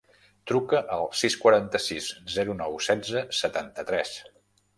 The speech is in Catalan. Truca al sis, quaranta-sis, zero, nou, setze, setanta-tres.